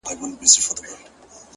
ریښتینی قوت له اصولو ساتنې ښکاري.